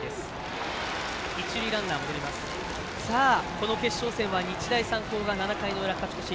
この決勝戦は日大三高が７回の裏、勝ち越し。